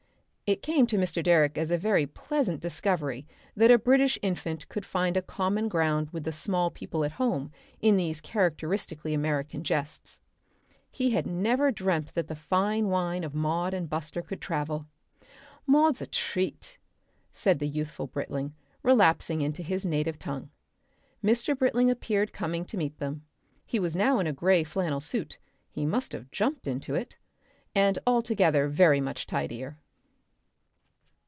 It came to Mr. Direck as a very pleasant discovery that a British infant could find a common ground with the small people at home in these characteristically American jests. He had never dreamt that the fine wine of Maud and Buster could travel. "Maud's a treat," said the youthful Britling, relapsing into his native tongue. Mr. Britling appeared coming to meet them. He was now in a grey flannel suit he must have jumped into it and altogether very much tidier....